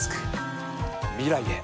未来へ。